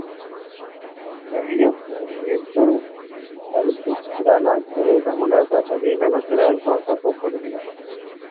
Other position holders include Board Members.